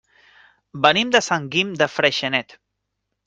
Venim de Sant Guim de Freixenet.